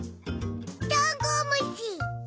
ダンゴムシ！